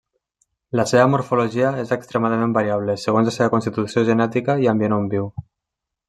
La seva morfologia és extremadament variable segons la seva constitució genètica i ambient on viu.